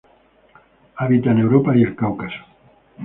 Habita en Europa y el Cáucaso.